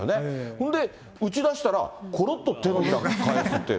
それで打ちだしたら、ころっと手のひら返すって。